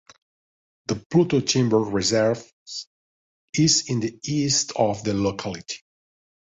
The Pluto Timber Reserve is in the east of the locality.